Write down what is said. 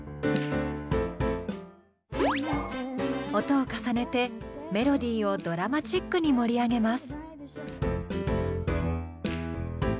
音を重ねてメロディーをドラマチックに盛り上げます。